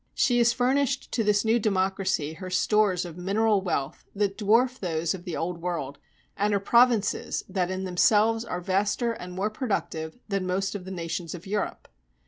She has furnished to this new democracy her stores of mineral wealth, that dwarf those of the Old World, and her provinces that in themselves are vaster and more productive than most of the nations of Europe.